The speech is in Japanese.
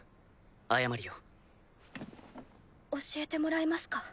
謝るよ。教えてもらえますか？